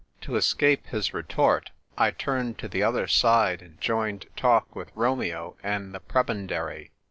To escape his retort, I turned to the other side and joined talk with Romeo and the pre bendary.